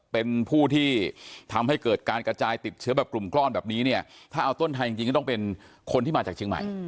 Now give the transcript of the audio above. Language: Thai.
เป็นผู้ที่ทำให้เกิดการกระจายติดเชื้อแบบกลุ่มก้อนแบบนี้เนี่ยถ้าเอาต้นไทยจริงก็ต้องเป็นคนที่มาจากเชียงใหม่